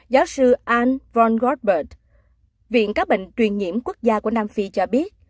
giáo sư anne von goldberg viện các bệnh truyền nhiễm quốc gia của nam phi cho biết